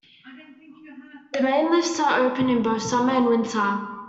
The main lifts are open in both summer and winter.